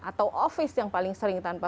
atau ofis yang paling sering tanpa